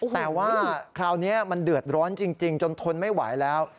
แต่ว่าคราวนี้มันเดือดร้อนจริงจนทนไม่ไหวแล้ว